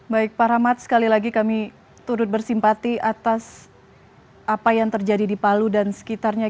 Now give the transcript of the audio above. baik pak rahmat sekali lagi kami turut bersimpati atas apa yang terjadi di palu dan sekitarnya